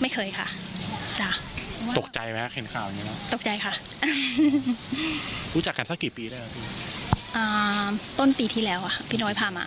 ไม่ครับมาให้เลย